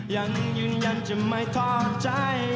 ยังยืนยันจะไม่ทอดใจ